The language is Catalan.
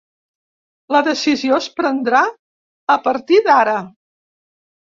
La decisió es prendrà a partir d’ara.